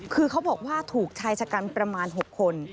คือเขาบอกว่าถูกชายชะกันประมาณ๖คน